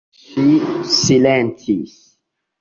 Ŝi silentis.